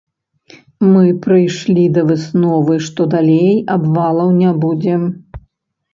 Мы прыйшлі да высновы, што далей абвалаў не будзе.